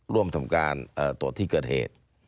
ร่วมทำการตรวจที่เกิดเหตุ